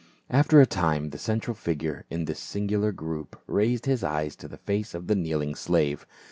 After a time the central figure in this singular group raised his eyes to the face of the kneeling slave.